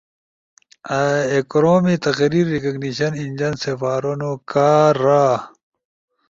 اے کورومی تقریر ریکگنیشن انجن سپارونو کارا